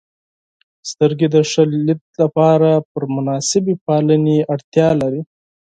• سترګې د ښه دید لپاره پر مناسبې پالنې اړتیا لري.